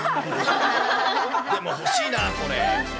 でも欲しいな、これ。